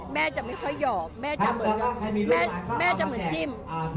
แม่จะไม่ค่อยหยอบแม่จะเหมือนจิ้ม